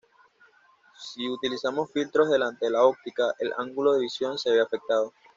Si utilizamos filtros delante de la óptica, el ángulo de visión se ve afectado.